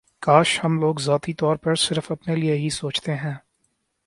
کاش ہم لوگ ذاتی طور پر صرف اپنے لیے ہی سوچتے ہیں